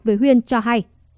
với huyên cho hay